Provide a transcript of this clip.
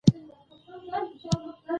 خپـلې سپـېرې وزرې خـورې کـړې.